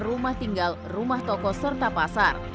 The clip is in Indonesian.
rumah tinggal rumah toko serta pasar